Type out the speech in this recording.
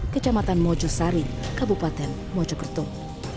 kecamatan mojosari kabupaten mojokertung